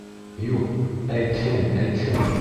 Юҡ, әйтһен, әйтһен!